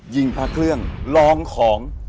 ยิงพระเครื่องลองของ